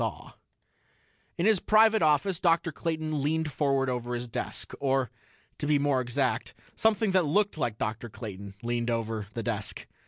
In his private office, Dr. Clayton leaned forward over his desk. Or, to be more exact, something that looked like Dr. Clayton leaned over the desk.